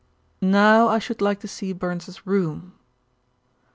"Now I should like to see Burns's room."